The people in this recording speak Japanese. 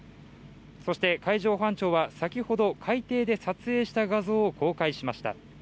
そして、海上保安庁は先ほど、海底で撮影した画像を公開しました。